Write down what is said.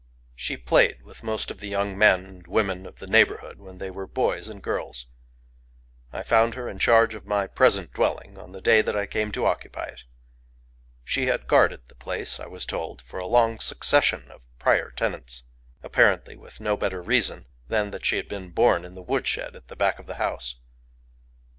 She played with most of the young men and women of the neighborhood when they were boys and girls. I found her in charge of my present dwelling on the day that I came to occupy it. She had guarded the place, I was told, for a long succession of prior tenants—apparently with no better reason than that she had been born in the woodshed at the back of the house.